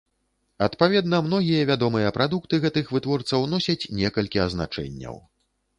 Адпаведна, многія вядомыя прадукты гэтых вытворцаў носяць некалькі азначэнняў.